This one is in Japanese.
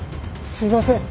すいません。